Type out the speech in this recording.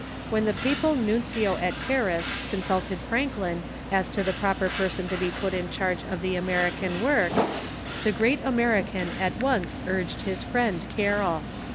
When the papal nuncio at Paris consulted Franklin as to the proper person to be put in charge of the American work, the great American at once urged his friend Carroll.